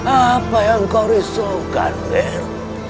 apa yang kau risaukan